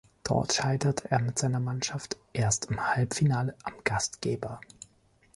Dort scheiterte er mit seiner Mannschaft erst im Halbfinale am Gastgeber.